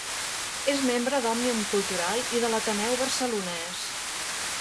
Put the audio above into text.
És membre d'Òmnium Cultural i de l'Ateneu Barcelonès.